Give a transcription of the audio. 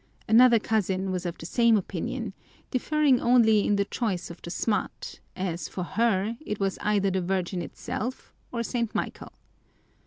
Another cousin was of the same opinion, differing only in the choice of the smut, as for her it was either the Virgin herself or St. Michael.